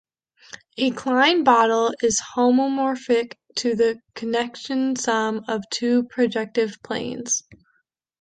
A Klein bottle is homeomorphic to the connected sum of two projective planes.